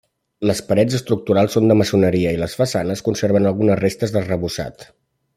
Les parets estructurals són de maçoneria i les façanes conserven algunes restes d'arrebossat.